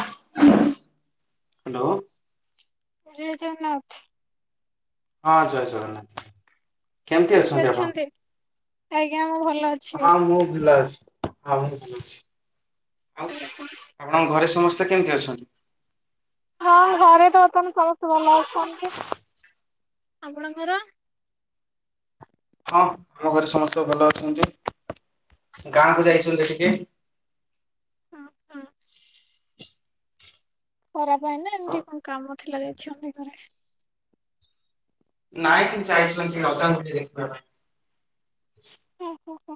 Hello ଜୟ ଜଗନ୍ନାଥ। ହଁ ଜୟ ଜଗନ୍ନାଥ। କେମିତି ଅଛନ୍ତି ଆଜ୍ଞା ମୁଁ ଭଲ ଅଛି। ହଁ ମୁଁ ଭଲ ଅଛି ହଁ ମୁଁ ଭଲ ଅଛି ଆଉ ଆପଣଙ୍କ ଘରେ ସମସ୍ତେ ସ୍ତେ କେମିତି ଅଛନ୍ତି? ହଁ ଘରେ ତ ବର୍ତ୍ତମାନ ସମସ୍ତେ ଭଲ ଅଛନ୍ତି ଆପଣଙ୍କର? ହଁ ଆମ ଘରେ ସମସ୍ତେ ଭଲ ଅଛନ୍ତି ଗାଁ କୁ ଆଜ୍ଞା ହଁ ଯାଇଛନ୍ତି ଟିକେ [inaudible] [inaudible] ଖରା ପାଇଁ ନା ଏମିତି କଣ କାମ ଥିଲା ଯାଇଛନ୍ତି ଘରେ। ନାଇଁ ଟିକେ ଯାଇଛନ୍ତି ଅଜା ଙ୍କୁ ଟିକେ ଦେଖିବାପାଇଁ। ଓ ହୋ ହୋ।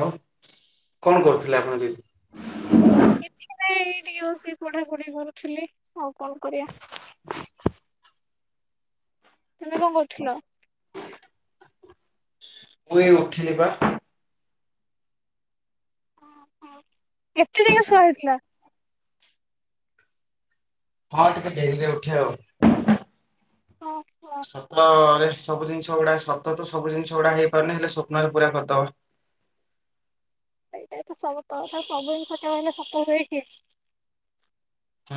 ହଉ କଣ କରୁଥିଲେ ଆପଣ ଜି କିଛି ନାଇଁ ଟିକେ ବସିକି ପଢ଼ାପଢ଼ି କରୁଥିଲି ଆଉ କଣ କରିଆ। ତୁମେ କଣ କରୁଥିଲ? ମୁୁ ଏଇ ଉଠିଲି ପା। ହ ଏତେ ଯାଙ୍କେ ସୁୁଆ ହେଇଥିଲା। ହଁ, ଟିକେ ଡେରିରେ ଉଠେ ଆଉ। ଅଁ ହୋ। ସତ-ଅ-ରେ ସବୁ ଜିନିଷ ଗୁଡା ସତ ତ ସବୁ ଜିନିଷ ଗୁଡା ହେଇପାରୁନି। ହେଲେ ସ୍ୱପ୍ନରେ ପୁରା କରିଦବା। ଏଇଟା ତ ସତ କଥା, ସବୁ ଜିନିଷ କେବେହେଲେ ସତ ହୁଏକି?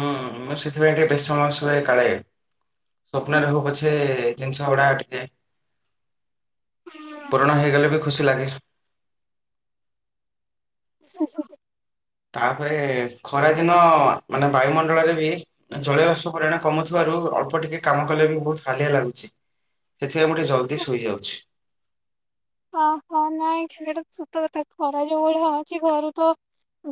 ହୁଁ, ମୁଁ ସେଥିପାଇଁ ଟିକେ ବେଶ ସମୟ ଶୁଏ। କାଳେ ସ୍ୱପ୍ନରେ ହଉ ପଛେ, ଜିନିଷ ଗୁଡା ଟିକେ ପୁରୁଣା ହେଇଗଲେ ବି, ଖୁସି ଲାଗେ। [inaudible] ତା'ପରେ ଖରାଦିନ ମାନେ ବାୟୁମଣ୍ଡଳରେ ବି ଜଳୀୟବାଷ୍ପ ପରିମାଣ କମୁଥିବାରୁ, ଅଳ୍ପ ଟିକେ କାମ କଲେ ବି ବହୁତ ହାଲିଆ ଲାଗୁଛି। ସେଥିପାଇଁ ମୁଁ ଟିକେ ଜଲ୍ଦି ଶୋଇଯାଉଛି। ଓହୋ! ନାଇଁ ସେଇଟା ତ ସତ କଥା ଖରା ଯୋଉ ଭଳିଆ ହଉଛି, ଘରୁ ତ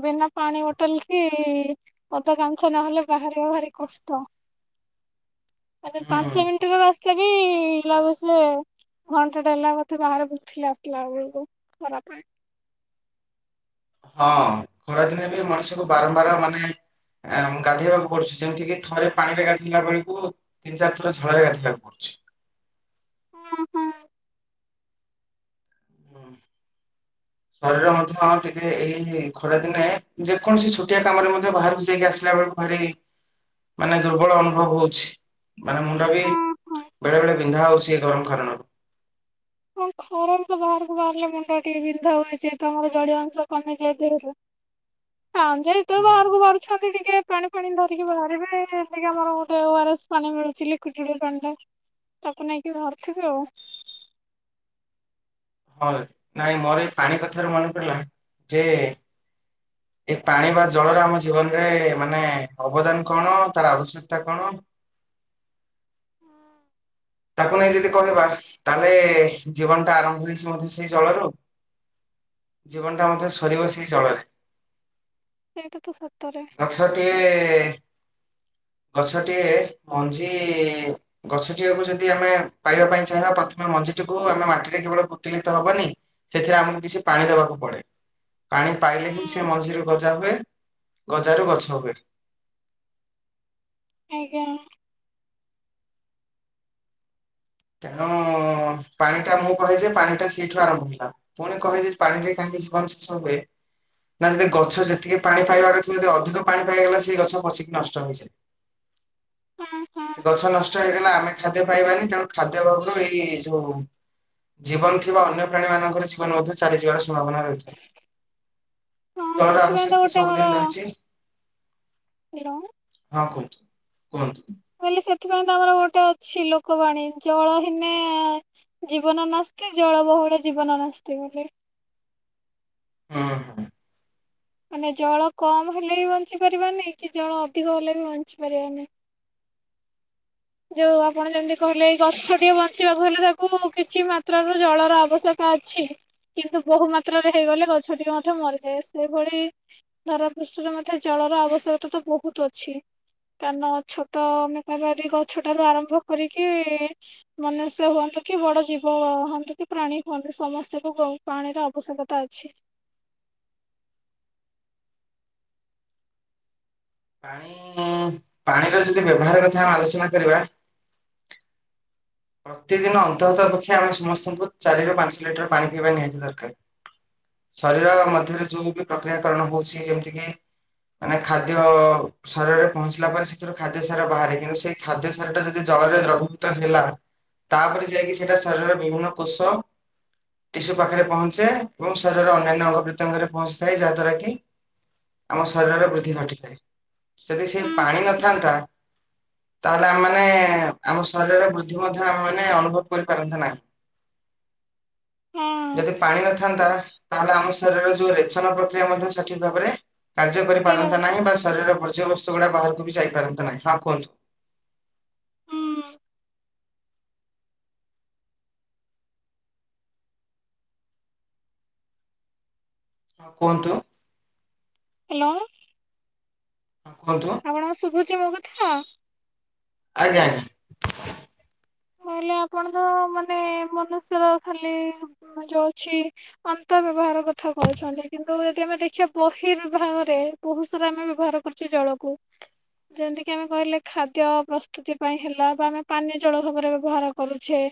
ବିନା ପାଣି ବୋଟଲ କି-ଇ ଅତ କାଂଛ ନହଲେ ବାହାରିବା ଭାରି କଷ୍ଟ! ହ ମାନେ ପାଞ୍ଚ ମିନ୍ଟି ର ରାସ୍ତା ବି, ଲାଗୁଛି ଯେ, ଘଣ୍ଟା ଟେ ହେଲା ବତେ ବାହାରେ ବୁଲ୍ ଥିଲା ଆସଲା ବେଳକୁ ଖରାପେ। ହଁ, ଖରାଦିନେ ବି ମଣିଷକୁ ବାରମ୍ବାର ମାନେ ଆଁ ଗାଧେଇବାକୁ ପଡୁଛି। ଯେମିତି କିି ଥରେ ପାଣି ରେ ଗାଧୋଇଲା ବେଳକୁ ତିନି ଚାର ଥର ଝରେ ଗାଧେଇବାକୁ ପଡୁଛି। [inaudible] ହଁ। ଶରୀର ମଧ୍ୟ ଟିକେ, ଏଇ ଖରାଦିନେ ଯେକୌଣସି ଛୋଟିଆ କାମରେ ମଧ୍ୟ ବାହାରକୁ ଯାଇକି ଆସିଲା ବେଳୁ ଭାରି, ମାନେ ଦୁର୍ବଳ ଅନୁଭବ ହଉଛି। ମାନେ ମୁଣ୍ଡ ବି ହଁ ହଁ। ବେଳେ ବେଳେ ବିନ୍ଧା ହଉଛି। ଏ ଗରମ ଖାରଣରୁ। ହଁ, ଖରାରେ ତ ବାହାରକୁ ବାହାରିଲେ, ମୁଣ୍ଡ ଟିକେ ବିନ୍ଧା ହୁଏ, ଯେହେତୁ ଆମର ଜଳୀୟ ଅଂଶ କମିଯାଏ ଦେହରୁ। ହଁଯେ ତଳେ ବାହାରକୁ ବାହାରୁଛନ୍ତି। ଟିକେ ପାଣି ପାଣି ଧରିକି ବାହାରିବେ। ଦେଇକି ଆମର ଗୋଟେ ଓ ଆର ଏସ୍ ପାଣି ମିଳୁଛି, ଲିକୁଇଟିଡ୍ ପାଣି ଟା। ତାକୁ ନେଇକି ଧରୁଥିବେ ଆଉ। ହଁ, ନାଇଁ ମୋର ଏଇ ପାଣି କଥାରେ ମନେ ପଡିଲା ଯେ ଏଇ ପାଣି ବା ଜଳର ଆମ ଜୀବନରେ ମାନେ, ଅବଦାନ କଣ? ତାର ଆବଶ୍ୟକତା କଣ? ହଁ ତାକୁ ନେଇ ଯଦି କହିବା! ତା, ହେଲେ ଜୀବନ ଟା ଆରମ୍ଭ ହେଇଛି, ମଧ୍ୟ ସେଇ ଜଳରୁ। ଜୀବନଟା ମଧ୍ୟ ସରିବ ସେଇ ଜଳରେ। ଏଇଟା ତ ସତରେ ଗଛଟିଏ-ଏ ଗଛଟିଏ ମଞ୍ଜି-ଇ ଗଛଟିଏକୁ ଯଦି ଆମେ ପାଇବା ପାଇଁ ଚାହିଁବା, ପ୍ରଥମେ ମଞ୍ଜିଟିକୁ ଆମେ ମାଟିରେ କେବଳ ପୁତିଲେତ ହବନି? ସେଥିରେ ଆମକୁ କିଛି ପାଣି ଦବାକୁ ପଡେ। ପାଣି ପାଇଲେ ହିଁ ସେ ହୁଁ ମଝିରୁ ଗଜା ହୁଏ। ଗଜାରୁ ଗଛ ହୁଏ। ଆଜ୍ଞା। ତେଣୁ-ଉଁ ପାଣି ଟା ମୁଁ କହେ ଯେ, ପାଣି ଟା ସେଇଠୁ ଆରମ୍ଭ ହେଲା। ପୁଣି କହେ ଯେ, ପାଣି ଟା କାହିଁକି [unintelligible] ଶେଷ ହୁଏ। ନା, ଯଦି ଗଛ ଯେତିକି ପାଣି ପାଇବାର ଅଛି, ଯଦି ଅଧିକ ପାଣି ପାଇଗଲା ସେଇ ଗଛ ପଚିକି ନଷ୍ଟ ହେଇଯାଏ। ହଁ ହଁ ସେ ଗଛ ନଷ୍ଟ ହେଇଗଲା। ଆମେ ଖାଦ୍ୟ ପାଇବାନି। ତେଣୁ ଖାଦ୍ୟ ଅଭାବରୁ ଏଇ ଯୋଉ ଜୀବନ ଥିବା ଅନ୍ୟ ପ୍ରାଣୀ ମାନଙ୍କର ଜୀବନ ମଧ୍ୟ ଚାଲିଯିବାର ସମ୍ଭାବନା ରହି ହଁ ଜଳ ର ସେଥିପାଇଁ ତ ଆବଶ୍ୟକତା ଗୋଟେ ସବୁଦିନ ରହିଛି। ହେଁ ଲୋଁ। ହଁ, କୁହନ୍ତୁ, କୁହନ୍ତୁ। ବୋଇିଲେ ସେଥିପାଇଁ ତ ଆମର ଗୋଟେ ଅଛି, ଲୋକବାଣୀ, ଜଳହୀନେ-ଏ ଜୀବନ ନାସ୍ତି ଜଳବହୁଳ ଜୀବନ ନାସ୍ତି ବୋଲି। ହଁ ହଁ। ମାନେ ଜଳ କମ୍ ହେଲେ ବି ବଞ୍ଚିପାରିବାନି କି ଜଳ ଅଧିକ ହେଲେ ବି ବଞ୍ଚିପାରିବାନି। ଯୋଉ ଆପଣ ଯେମିତି କହିଲେ ଏଇ ଗଛଟିଏ ବଞ୍ଚିବାକୁ ହେଲେ ତାକୁ କିଛି ମାତ୍ର ର ଜଳର ଆବଶ୍ୟ ତା ଅଛି କିନ୍ତୁ ବୋହୁ ମାତ୍ରରେ ହେଇଗଲେ ଗଛଟି ମଧ୍ୟ ମରିଯାଏ ସେଇଭଳି ଧାରା ପୃଷ୍ଠରେ ମଧ୍ୟ ଜଳର ଆବଶ୍ୟକତା ତ ବୋହୁତ ଅଛି। କାନ ଛୋଟୋ [unintelligible] ଗଛଟାରୁ ଆରମ୍ଭ କରିକି ମନୁଷ୍ୟ ହୁଅନ୍ତୁ କି ବଡ ଜୀବ ହନ୍ତୁ କି ପ୍ରାଣୀ ହୁଅନ୍ତୁ ସମସ୍ତିଙ୍କୁ ବୋହୁ ପାଣିର ଆବଶ୍ୟକତା ଅଛି। ପାଣି ପାଣିର ଯଦି ବ୍ୟବହାର କଥା ଆମେ ଆଲୋଚନା କରିବା। ପ୍ରତିଦିନ ଅନ୍ତଃତ ଅପେକ୍ଷା ଆମେ ସମସ୍ତଙ୍କୁ ଚାରି ରୁ ପାଞ୍ଚ ଲିଟର ପାଣି ପିଇବା ନିହାତି ଦରକାର। ଶରୀରର ମଧ୍ୟରେ ଯୋଉ ବି ପ୍ରକ୍ରିୟାକରଣ ହୋଉଛି ଯେମିତି କି ମାନେ ଖାଦ୍ୟ ସାରରେ ପହଞ୍ଚିଲା ପରେ ସେଥିରୁ ଖାଦ୍ୟ ସାର ବାହାରେ କିନ୍ତୁ ସେ ଖାଦ୍ୟ ସାର ଟା ଯଦି ଜଳରେ ଦ୍ରବୀଭୂତ ହେଲା। ତାପରେ ଯାଇକି ସେଟା ଶରୀରର ବିଭିନ୍ନ କୋଷ ଟିସୁ ପାଖେରେ ପହଞ୍ଚେ ଏବଂ ଶରୀରର ଅନ୍ୟାନ୍ୟ ଅଙ୍ଗପ୍ରତ୍ୟଙ୍ଗରେ ପହଞ୍ଚିଥାଏ ଯାହା ଦ୍ୱାରାକି ଆମ ଶରୀରରେ ବୃଦ୍ଧି ଘଟିଥାଏ। ସେଠି ସେ ହୁଁ ପାଣି ହୁଁ ନଥାନ୍ତା ତାହେଲେ ଆମେମାନୋ ଆମ ଶରୀରରେ ବୃ ଦ୍ଧି ମଧ୍ୟ ଆମେ ମେ ଅନୁଭବ କରିପାରନ୍ତେ ନାହିଁ। ହଁ। ଯଦି ପାଣି ନଥାନ୍ତା ତାହେଲେ ଆମ ଶରୀରରେ ଯୋଉ ରେଚନ ପ୍ରକ୍ରିୟା ମଧ୍ୟ ସଠିକ ଭାବରେ କାର୍ଯ୍ୟ ହେଇ କରିପାରନ୍ତା ବାବା ନାହିଁ ବା ଶରୀରର ବର୍ଯ୍ୟୟ ବସ୍ତୁ ଗୁଡା ବାହାରକୁ ବି ଯାଇପାରନ୍ତା ନାହିଁ। ହଁ କୁହନ୍ତୁ। ହୁଁ। ହଁ କୁହନ୍ତୁ। ହାଲୋ। ହଁ କୁହନ୍ତୁ। ଆପଣଙ୍କୁ ଶୁଭୁଚି ମୋ କଥା। ଆଜ୍ଞା ଆଜ୍ଞା। ତାହାଲେ ଆପଣ ତ ମାନେ ମନୁଷ୍ୟର ଖାଲି ଯୋଉ ଅଛି। ଅନ୍ତର ବିଭାଗର କଥା କୋହୁଛନ୍ତି କିନ୍ତୁ ଯଦି ଆମେ ଦେଖିବା ବର୍ହି ବିଭାଗରେ ବୋହୁତ ସାରା ଆମେ ବ୍ୟବହାର କରୁଛେ ଜଳକୁ। ଯେମିତି କିି ଆମେ କହିଲେ ଖାଦ୍ୟ ପ୍ରସ୍ତୁତି ପାଇଁ ହେଲା ବା ଆମେ ପାନୀୟ ଜଳ ଭାବରେ ବ୍ୟବହାର କରୁଛେ।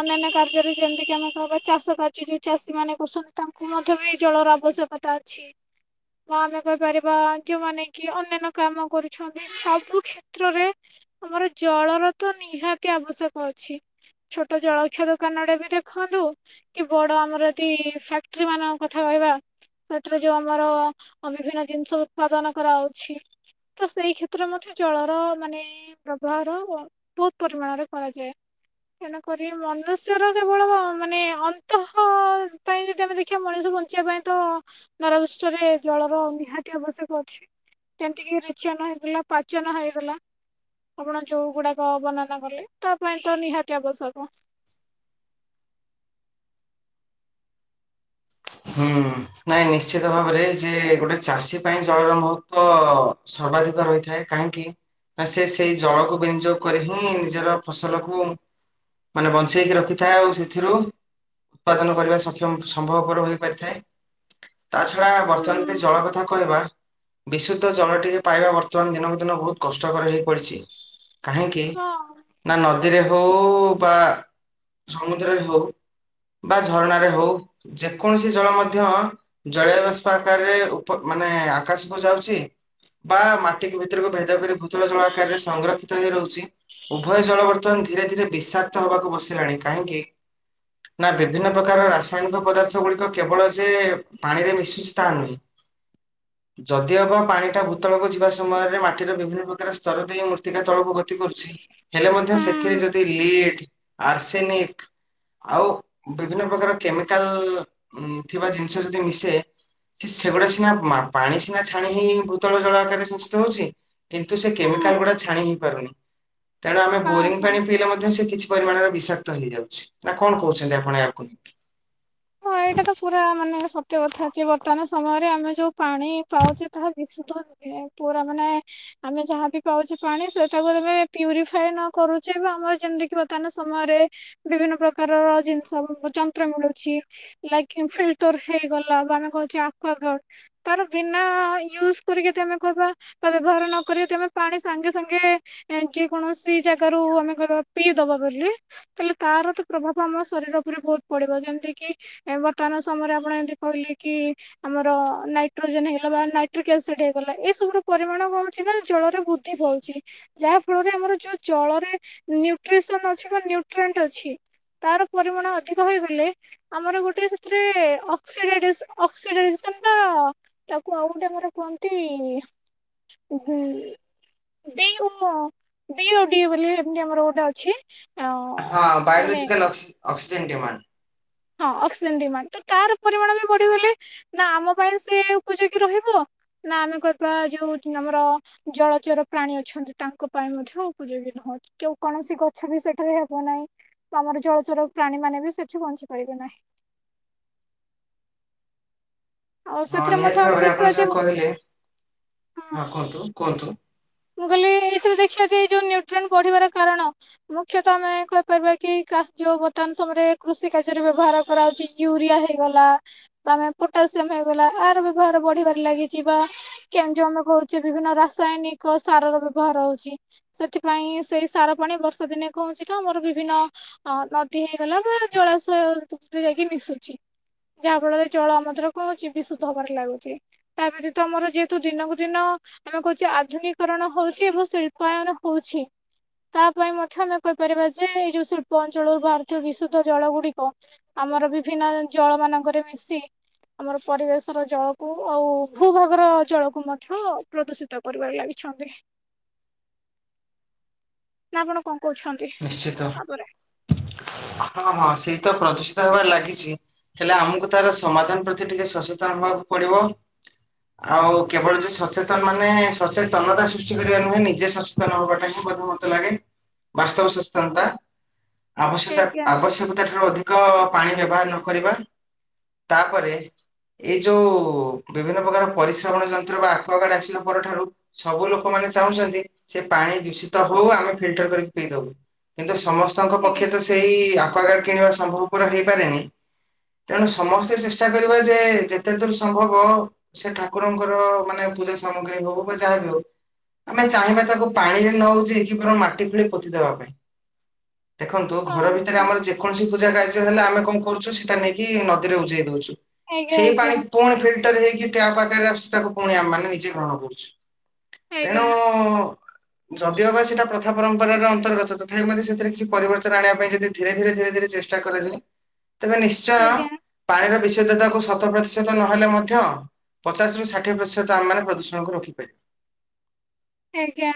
ଅନ୍ୟାନ୍ୟ କାର୍ଯ୍ୟରେ ଯେମିତିକି ଆମେ କହିବା ଚାଷ [unintelligible] ଯୋଉ ଚାଷୀ ମାନେ କରୁଛନ୍ତି ତାଙ୍କୁ ମଧ୍ୟ ବି ଜଳର ଆବଶ୍ୟକ ତା ଅଛି। ବା ଆମେ କହିପାରିବା ଯୋଉମାନେ କି ଅନ୍ୟାନ୍ୟ କାମ କରୁଛନ୍ତି ସବୁ କ୍ଷେ ତ୍ରରେ ଆମର ଜଳର ତ ନିହାତି ଆବଶ୍ୟକ ଅଛି। ଛୋଟୋ ଜଳଖିଆ ଦୋକାନଟେ ବି ଦେଖନ୍ତୁ। କି ବଡ ଆମର ଯଦି ଫାକ୍ଟ୍ରୀ ମାନଙ୍କ କଥା କହିବା। ଫାକ୍ଟ୍ରୀରେ ଯୋଉ ଆମର ବିଭିନ୍ନ ଜିନିଷ ଉତ୍ପାଦନ କରାହୋଉଛି। ତ ସେଇ କ୍ଷେତ୍ରରେ ମଧ୍ୟ ଜଳର ମାନେ ବ୍ୟବହାର ହବ। ପରିମାଣରେ କରାଯାଏ। କାହିଁକି ନା କରିବେ ମନୁଷ୍ୟର କେବଳ ମ ମାନେ ଅନ୍ତଃ ପାଇଁ ଯଦି ଆମେ ଦେ ଖିଆ ମଣିଷ ବଞ୍ଚିବା ପାଇଁ ତ ଧରାପୃଷ୍ଠରେ ଜଳର ନିହାତି ଆବଶ୍ୟକ ଅଛି। ଯେମତିକି ରେଚନ ହେଇଗଲା ପାଚନ ହେଇଗଲା ଆପଣ ଯୋଉ ଗୁଡାକ ବର୍ଣ୍ଣନା ନା କଲେ ତା ପାଇଁ ତ ନିହାତିଆ ଆବଶ୍ୟକ। [inaudible] ହୁଁ ନାଇଁ ନିଶ୍ଚିତ ଭାବରେ ଯେ ଗୋଟେ ଚାଷୀ ପାଇଁ ଜଳର ମହତ୍ୱ ସର୍ବାଧିକ ରହିଥାଏ କାହିଁକି ନା ସେ ସେଇ ଜଳକୁ ବିନିଯୋଗ କରି ହିଁ ନିଜର ଫସଲକୁ ମାନେ ବଞ୍ଚେଇକି ରଖିଥାଏ ଆଉ ସେଥିରୁ ଉତ୍ପାଦନ କରିବା ସକ୍ଷମ ସମ୍ଭବପର ହୋଇପାରିଥାଏ ତା ଛଡା ହୁଁ ବର୍ତ୍ତମାନ ଯଦି ଜଳ କଥା କହିବା। ବିଶୁଦ୍ଧ ଜଳ ଟିକେ ପାଇବା ବର୍ତ୍ତମାନ ଦିନକୁ ଦିନ ବହୁତ କଷ୍ଟକର ହେଇପଡ଼ିଛି। କାହିଁକି ହଁ ନା ନଦୀରେ ହଉ ବା। ସମୁଦ୍ରରେ ହଉ ବା ଝରଣରେ ହଉ ଯେକୌଣସି ଜଳ ମଧ୍ୟ। ଜଳୀୟବାଷ୍ପ ଆକାରରେ ଉପ ମାନେ ଆକାଶକୁ ଯାଉଛି। ବା ମାଟିକୁ ଭିତରକୁ ଭେଦ କରି ଭୂତଳ ଜଳ ଆକାରରେ ସଂଗ୍ରକ୍ଷିତ ହେଇ ରହୁଛି। ଉଭୟ ଜଳ ବର୍ତ୍ତମାନ ଧୀରେ ଧୀରେ ବିଷାକ୍ତ ହେବାକୁ ବସିଲାଣି କାହିଁକି? ନା ବିଭିନ୍ନ ପ୍ରକାର ରା ରାସାୟନିକ ପଦାର୍ଥ ଗୁଡିକ କେବଳ ଯେ ପାଣିରେ ମିଶୁଛି ତା ନୁହେଁ। ଯଦିଓ ବା ପାଣି ଟା ଭୂତଳକୁ ଯିବା ସମୟରେ ମାଟିର ବିଭିନ୍ନ ପ୍ରକାର ସ୍ତର ଦେଇ ମୂର୍ତ୍ତିକା ତଳକୁ ଗ ତି କରୁଚି ହେଲେ ମଧ୍ୟ ସେ କିଏ ହୁଁ ଯଦି ଲିଡ ଆର୍ସେନିକ ଆଉ ବିଭିନ୍ନ ପ୍ରକାର। କେମିକାଲ ଉଁ ଥିବା ଜିନିଷ ଯଦି ମିଶେ। ସି ସେଗୁଡା ସିନା ମା ପାଣି ସିନା ଛାଣି ହେଇ ଭୂତଳ ଜଳ ଆକାରରେ ଦୂଷିତ ହଉଛି। କିନ୍ତୁ ସେ ହଁ କେମିକାଲ ଗୁଡା ଛାଣି ହେଇ ପାରୁନି ତେଣୁ ଆମେ ହଁ। ବୋରିଙ୍ଗ ପାଣି ପିଇଲେ ମଧ୍ୟ ସେ କିଛି। ପରିମାଣରେ ବିଷାକ୍ତ ହେଇଯାଉଛି ନା କଣ କହୁଛନ୍ତି ଆପଣ ଏହାକୁ ନେଇକି? ହଁ ଏଇଟା ତ ପୁରା ମାନେ ସ ତ କଥା ଅଛି ବର୍ତମାନ ସମୟରେ ଆମେ ଯୋଉ ପାଣି ପାଉଛେ ତାହା ବିଶୁଦ୍ଧ ନୁହେଁ ପୁରା ମାନେ। ଆମେ ଯାହା ବି ପାଉଛେ ପାଣି ସେଟାକୁ ତମେ ପ୍ୟୁରିଫାଏ ନ କରୁଛେ ବା ଆମର ଯେମିତିକି ବର୍ତ୍ତମାନ ସମୟରେ। ବିଭିନ୍ନ ପ୍ରକାରର ଜିନିଷ ଉଁ ଯନ୍ତ୍ର ମିଳୁଛି। ଲାଇକ ଫିଲ୍ଟର ହେଇଗଲା ବା ଆମେ କହୁଛେ ଆକ୍ୱାଗାର୍ଡ। ତାର ବିନା ୟୁଜ କରିକି ଯଦି ଆମେ କହିବା। ତା ବ୍ୟବହାର ନକରି ତମେ ପାଣି ସାଙ୍ଗେ ସାଙ୍ଗେ। ଏଁ ଯେକୌଣସି ଜାଗାରୁ ଆମେ କହିବା ପିଇ ଦବା ବୋଲି। ତାହେଲେ ତାର ତ ପ୍ରଭାବ ଆମ ଶରୀର ଉପରେ ବହୁତ ପଡିବ ଯେମିତି କିି। ଏ ବର୍ତ୍ତମାନ ସମୟରେ ଆପଣ ଏମିତି କହିଲେ କି। ଆମର ନାଇଟ୍ରୋଜେନ ହେଇଗଲା ବା ନାଇଟ୍ରିକ ଏସିଡ ହେଇଗଲା ଏ ସବୁର ପରିମାଣ କଣ ହଉଚି ନା ଜଳରେ ବୁ ଧି ପାଉଚି। ଯାହା ଫଳରେ ଆମର ଯୋଉ ଜଳରେ ନ୍ୟୁଟ୍ରିସନ ଅଛି ବା ନ୍ୟୁଟ୍ରେଣ୍ଟ ଅଛି। ତାର ପରିମାଣ ଅଧିକ ହୋଇଗଲେ। ଆମର ଗୋଟିଏ ସେଥିରେ ଅକ୍ସିଡାଇଡେସନ ଅକ୍ସିଡାଇଜେସନ ଟା। ତାକୁ ଆଉ ଗୋଟେ ଆମର କୁହନ୍ତି ଉଁ। ବି ମୋ ବି ଓ ଡି ବୋଲି ଏମିତି ଆମର ଗୋଟେ ଅଛି। ଅ ହଁ ମାନେ ବାୟୋଲୋଜିକାଲ ଅକ୍ସି ଅକ୍ସିଜେନ୍ ଡିମାଣ୍ଡ୍। ହଁ ଅକ୍ସିଜେନ ଡିମାଣ୍ଡ ତ ତାର ପରିମାଣ ବି ବଢିଗଲେ ନା ଆମ ପାଇଁ ସେ ଉପଯୋଗୀ ରହିବ। ନା ଆମେ କରିବା ଯୋଉ ଉଁ ଆମର। ଜଳଚର ପ୍ରାଣୀ ଅଛନ୍ତି ତାଙ୍କ ପାଇଁ ମଧ୍ୟ ଉପଯୋଗୀ ନୁହ। କେଉ କୌଣସି ଗଛ ବି ସେଠାରେ ହେବ ନାହିଁ ଆମର ଜଳଚର ପ୍ରାଣୀ ମାନେ ବି ସେଠି ବଞ୍ଚି। ପାରିବେ ନା ଆଉ ହଁ ସେଥିରେ ମଧ୍ୟ ନିହାତି ଆମେ ଭାବରେ ଆପଣ ଦେଖିବା ଯାହା ଯେ କହିଲେ ହଁ କୁହନ୍ତୁ କୁହନ୍ତୁ। ମୁଁ କହିଲି ଏଇ ଥିରେ ଦେଖିବା ଯେ ଏଇ ଯୋଉ ନ୍ୟୁଟ୍ରନ ବଢିବାର କାରଣ। ମୁଖ୍ୟତଃ ଆମେ କହିପାରିବା କି କା ଯୋଉ ବର୍ତ୍ତମାନ ସମୟରେ କୃଷି କାର୍ଯ୍ୟରେ ବ୍ୟବହାର କରାହଉଛି। ୟୁରିଆ ହେଇଗଲା ବା ଆମେ ପୋଟାସିୟମ ହେଇଗଲା ଆର ବ୍ୟବହାର ବଢିବାରେ ଲାଗିଛି ପା। କେମ ଯୋଉ ଆମେ କହୁଛେ ବିଭିନ୍ନ ରାସାୟନିକ ସାର ର ବ୍ୟବହାର ହଉଛି। ସେଥିପାଇଁ ସେଇ ସାର ପାଣି ବର୍ଷା ଦିନେ କଣ ହଉଚି ନା ଆମର ବିଭିନ୍ନ। ଅ ନଦୀ ହେଇଗଲା ବା ଜଳାଶୟ [unintelligible] ଯାଇକି ମିଶୁଛି। ଯାହା ଫଳରେ ଜଳ ଆମ ଦ୍ୱାରା କଣ ହଉଚି ବିଶୁଦ୍ଧ ହବାରେ ଲାଗୁଛି। ତା ବ୍ୟତିତ ଆମର ଯେହେତୁ ଦିନକୁ ଦିନ ଆମେ କହୁଛେ ଆଧୁନି କରଣ ହଉଛି ଏବ ଶିଳ୍ପାୟନ ହଉଛି। ତା ପାଇଁ ମଧ୍ୟ ଆମେ କହିପାରିବା ଯେ ଏଇ ଯୋଉ ଶିଳ୍ପ ଅଞ୍ଚଳରୁ ଭାରତୀୟ ବିଶୁଦ୍ଧ ଜଳ ଗୁଡିକ। ଆମର ବିଭିନ୍ନ ଜଳ ମାନଙ୍କରେ ମିଶି। ଆମର ପରିବେଶର ଜଳକୁ ଆଉ ଭୂଭାଗର ଜଳକୁ ମଧ୍ୟ ପ୍ରଦୂଷିତ କରିବାରେ ଲାଗିଛି। ଛୁଟି ନା ଆପଣ କଣ କହୁଛନ୍ତି? ନିଶ୍ଚିତ ତାପରେ ହଁ ହଁ ସେଇତ ପ୍ରଦୂଷିତ ହେବାରେ ଲାଗିଛି। ହେଲେ ଆମକୁ ତାର ସମାଧାନ ପ୍ରତି ଟିକେ ସଚେତନ ହବାକୁ ପଡିବ। ଆଉ ହୁଁ କେବଳ ଯେ ସଚେତନ ମାନେ ସଚେତତନତା ସୃଷ୍ଟି କରିବା ନୁହେଁ ନିଜ ସଚେତନ ହବାଟା ହିଁ ମତେ ଲାଗେ। ବାସ୍ତବ ସଚେନତା ଆବଶ୍ୟକ ଆଜ୍ଞା ଆବଶ୍ୟକତା ଠାରୁ ଅଧିକ। କ ପାଣି ବ୍ୟବହାର ନ କରିବା ତାପରେ। ଏଇ ଯୋଉ ବିଭିନ୍ନ ପ୍ରକାର ପରିଶ୍ରମଣ ଯନ୍ତ୍ର ବା ଆକ୍ୱାଗାର୍ଡ ଆସିବା ପରଠାରୁ। ସବୁ ଲୋକମାନେ ଚାହୁଁଛନ୍ତି ସେ ପାଣି ଦୂଷିତ ହଉ ଆମେ ଫିଲଟର କରି ପିଇ ଦବ କିନ୍ତୁ ସମସ୍ତଙ୍କ ଆଜ୍ଞା ପକ୍ଷେ ତ ସେଇ ଆକ୍ୱାଗର୍ଡ କିଣିବା ସମ୍ଭବ ପର ହେଇପାରେନି। ତେଣୁ ସମସ୍ତେ ଚେଷ୍ଟା କରିବା ଯେ ଯେତେ ଦୂର ସମ୍ଭବ। ସେ ଠାକୁରଙ୍କର ମାନେ ପୂଜା ସାମଗ୍ରୀ ହଉ ବା ଯାହା ବି ହଉ। ଆମେ ଚାହିଁବା ତାକୁ ପାଣିରେ ନ ହଉଛି କି ମାଟି ଖୋଳି ପୋ ପୋତି ଦେବାପାଇଁ ଦେଖନ୍ତୁ ଘର ହଁ ଭିତରେ ହଁ ଆମର ଯେକୌଣସି ପୂଜା କାର୍ଯ୍ୟ ହେଲେ ଆମେ କଣ କରୁଛୁ ସେଇଟା ନେଇକି ନଦୀରେ ଉଜେଇ ଦଉଛୁ। ଆଜ୍ଞା ସେଇ ଆଜ୍ଞା ପାଣି ପୁଣି ଫିଲଟର ହେଇକି ଟ୍ୟାପ ଆଗରେ ଆସୁଛି ତାକୁ ପୁଣି ଆମେ ମାନେ ନିଜେ ଗ୍ରହଣ କରୁଛୁ। ତେଣୁ ଆଜ୍ଞା ଯଦିଓ ବା ସେଟା ପ୍ରଥା ପରମ୍ ଅନ୍ତର୍ଗତ ତଥାପି ମଧ୍ୟ ସେଥିରେ କିଛି ପରିବର୍ତ୍ତନ ଆଣିବା ପାଇଁ ଯଦି ଧୀରେ ଧୀରେ ଧିରେ ଧିରେ ଚେଷ୍ଟା କରାଯାଏ ତେବେ ନିଶ୍ଚୟ ଆଜ୍ଞା ପାଣିର ବିଶଦ୍ଧତାକୁ ଶତ ପ୍ରତିଶତ ନହେଲେ ମଧ୍ୟ ପଚାଶରୁ ଷାଠିଏ ପ୍ରତିଶତ ଆମମାନେ ପ୍ରଦୂଷଣକୁ ରଖିପାରିବା। ଆଜ୍ଞା।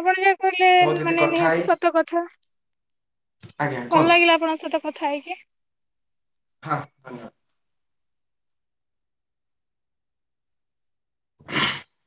ଆପଣ ଯାହା କହିଲେ ମୋ ଯଦି ମାନେ କଥା ହେଇ ନିହାତି ସତ କଥା। ଆଜ୍ଞା ଭଲ କୁହନ୍ତୁ ଲାଗିଲା ଆପଣଙ୍କ ସହିତ କଥା ହେଇକି। ହଁ ଧନ୍ୟବା